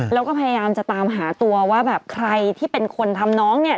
แล้วก็พยายามจะตามหาตัวว่าแบบใครที่เป็นคนทำน้องเนี่ย